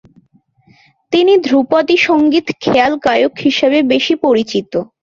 তিনি ধ্রুপদী সঙ্গীত খেয়াল গায়ক হিসাবে বেশি পরিচিত।